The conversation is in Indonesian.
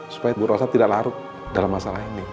supaya bu rosa tidak larut dalam masalah ini